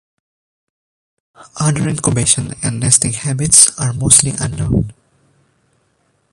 Other incubation and nesting habits are mostly unknown.